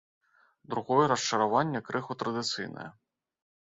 Другое расчараванне крыху традыцыйнае.